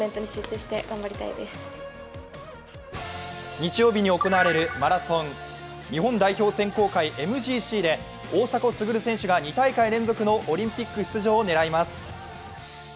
日曜日に行われるマラソン日本代表選考会ＭＧＣで大迫傑選手が２大会連続のオリンピック出場を狙います。